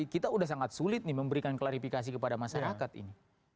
kita sudah sangat sulit nih memberikan klarifikasi kepada masyarakat ini